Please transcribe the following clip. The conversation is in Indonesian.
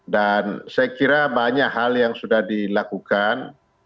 dan saya kira banyak hal yang sudah dilakukan